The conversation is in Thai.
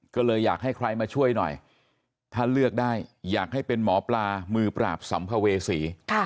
ก็เลยอยากให้ใครมาช่วยหน่อยถ้าเลือกได้อยากให้เป็นหมอปลามือปราบสัมภเวษี